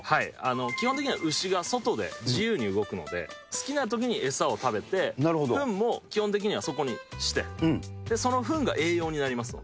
基本的には牛が外で自由に動くので、好きなときに餌を食べて、ふんも基本的にはそこにして、そのふんが栄養になりますので。